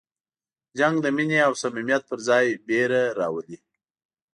جنګ د مینې او صمیمیت پر ځای وېره راولي.